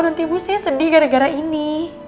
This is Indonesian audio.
nanti ibu saya sedih gara gara ini